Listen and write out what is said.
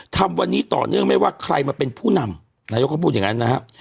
ทำวันนี้ต่อเนื่องไม่ว่าใครมาเป็นผู้นำนายกเขาพูดอย่างนั้นนะครับ